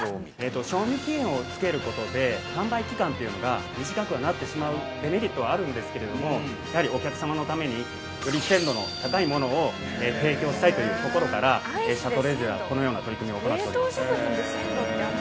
◆賞味期限をつけることで販売期間というのが短くはなってしまうデメリットはあるんですけれどもやはり、お客様のためにより鮮度の高いものを提供したいというところからシャトレーゼは、このような取り組みを行っております。